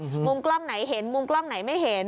มุมกล้องไหนเห็นมุมกล้องไหนไม่เห็น